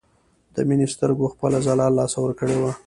د مينې سترګو خپله ځلا له لاسه ورکړې وه